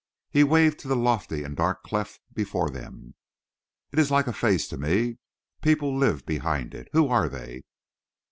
He waved to the lofty and dark cleft before them. "It is like a face to me. People live behind it. Who are they?